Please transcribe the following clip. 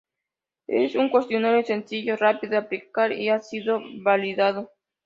Es un cuestionario sencillo, rápido de aplicar y ha sido validado.